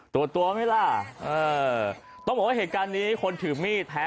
ตัวตัวไหมล่ะเออต้องบอกว่าเหตุการณ์นี้คนถือมีดแพ้